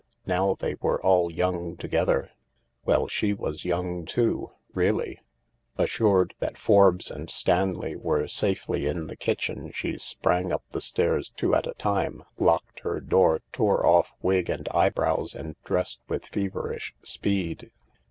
Now they were all young together. Well, she was young too— really. Assured that Forbes and Stanley were safely in the kitchen, she sprang up the stairs two at a time, locked her door, tore off wig and eyebrows, and dressed with feverish speed.